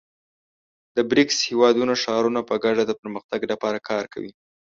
د بریکس هېوادونو ښارونه په ګډه د پرمختګ لپاره کار کوي.